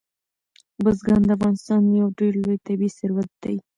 بزګان د افغانستان یو ډېر لوی طبعي ثروت دی.